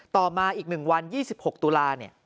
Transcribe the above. ต่อมาอีก๑วัน๒๖ตุลาเนี่ย